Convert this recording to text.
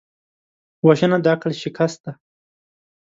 وژنه د عقل شکست دی